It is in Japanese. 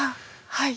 はい。